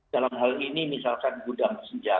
dalam hal ini misalnya